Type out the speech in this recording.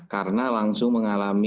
karena langsung mengalami